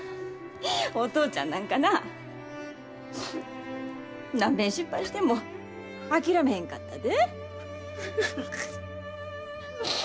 お父ちゃんなんかな何べん失敗しても諦めへんかったで。